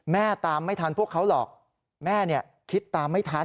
ตามไม่ทันพวกเขาหรอกแม่คิดตามไม่ทัน